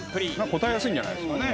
答えやすいんじゃないですかね。